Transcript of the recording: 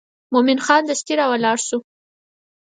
مومن خان دستي راولاړ شو.